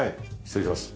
失礼します。